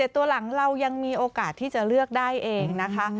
ตัวหลังเรายังมีโอกาสที่จะเลือกได้เองนะคะ